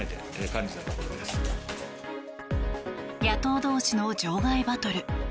野党同士の場外バトル。